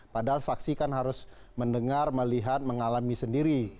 padahal saksi kan harus mendengar melihat mengalami sendiri